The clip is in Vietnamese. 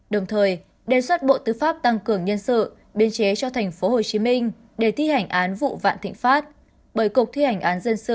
đồng thời đề xuất bộ tư pháp tăng cường nhân sự biên chế cho tp hcm để thi hành án vụ vạn thịnh pháp bởi cục thi hành án dân sự đang rất áp lực